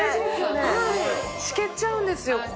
しけっちゃうんですよ。